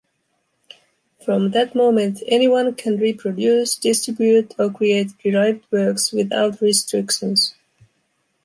From that moment, anyone can reproduce, distribute or create derived works without restrictions.